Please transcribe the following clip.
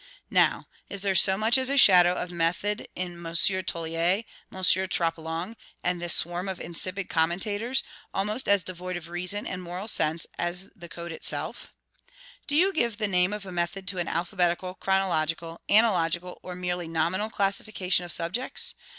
Now, is there so much as a shadow of method in M. Toullier, M. Troplong, and this swarm of insipid commentators, almost as devoid of reason and moral sense as the code itself? Do you give the name of method to an alphabetical, chronological, analogical, or merely nominal classification of subjects?